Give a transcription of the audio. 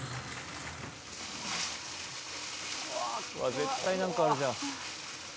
絶対何かあるじゃん。